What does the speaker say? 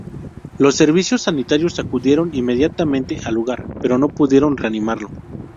Los servicios sanitarios acudieron inmediatamente al lugar, pero no pudieron reanimarlo.